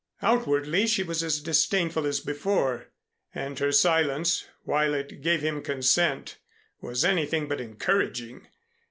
Outwardly she was as disdainful as before, and her silence, while it gave him consent, was anything but encouraging.